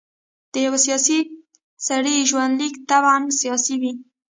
د یوه سیاسي سړي ژوندلیک طبعاً سیاسي وي.